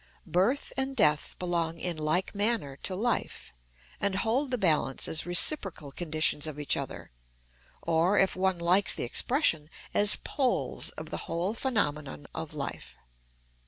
Birth and death belong in like manner to life, and hold the balance as reciprocal conditions of each other, or, if one likes the expression, as poles of the whole phenomenon of life.